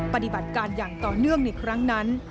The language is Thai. ปฏิบัติการอย่างต่อเนื่องในครั้งนั้น